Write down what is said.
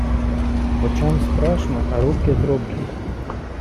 Очам страшно, а руки зроблять.